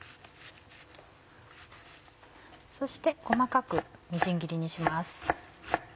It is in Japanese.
そして細かくみじん切りにします。